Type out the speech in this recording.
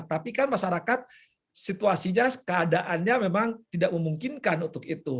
tapi kan masyarakat situasinya keadaannya memang tidak memungkinkan untuk itu